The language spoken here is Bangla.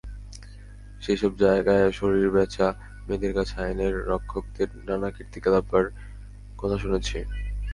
সেসব জায়গায় শরীর বেচা মেয়েদের কাছে আইনের রক্ষকদের নানা কীর্তিকলাপের কথা শুনেছি।